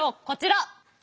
こちら。